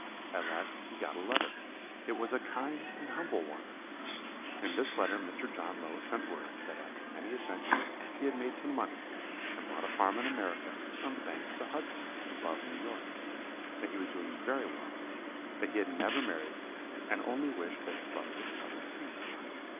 At last he got a letter; it was a kind and humble one: in this letter Mr. John Low sent word, that after many adventures he had made some money, and bought a farm in America, on the banks of the Hudson, above New York; that he was doing very well, that he had never married, and only wished that his brother would come and see him.